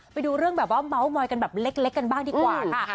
ไปดูเรื่องแบบว่าเมาส์มอยกันแบบเล็กกันบ้างดีกว่าค่ะ